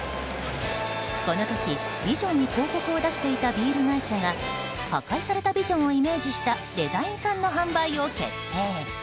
この時ビジョンに広告を出していたビール会社が、破壊されたビジョンをイメージしたデザイン缶の販売を決定。